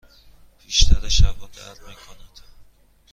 بیشتر شبها درد می کند.